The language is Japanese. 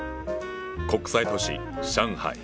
国際都市上海。